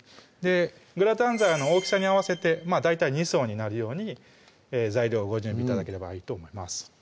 グラタン皿の大きさに合わせて大体２層になるように材料をご準備頂ければいいと思います